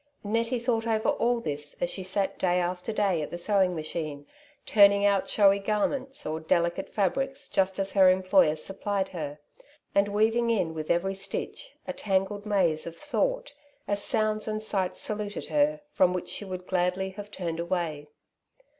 Nettie thought over all this as she sat day after day at the sewing machine, turning out showy garments or delicate fabrics just as her employers suppUed her, and weaving in with every stitch a tangled maze of thought, as sounds and sights saluted her from which she would gladly have turned away.